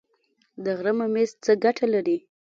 د غره ممیز څه ګټه لري؟